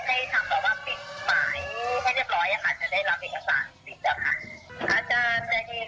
อาจารย์บอกว่าไม่ควรปฏิเสธลูกศิษย์